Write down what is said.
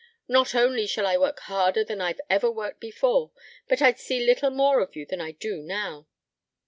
Not only shall I work harder than I've ever worked before, but I'd see little more of you than I do now.